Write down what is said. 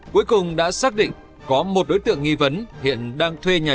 cuối cùng đã xác định có một đối tượng nghi vấn hiện đang thuê nhà